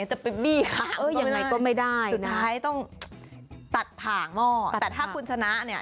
จะไปบี้ค้างยังไงก็ไม่ได้สุดท้ายต้องตัดถ่างหม้อแต่ถ้าคุณชนะเนี่ย